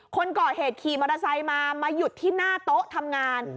คนก่อเหตุขี่มอเตอร์ไซค์มามาหยุดที่หน้าโต๊ะทำงาน